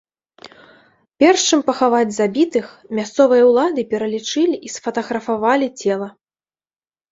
Перш чым пахаваць забітых, мясцовыя ўлады пералічылі і сфатаграфавалі цела.